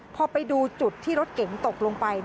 พอไปดูจุดที่รถเก๋งตกลงไป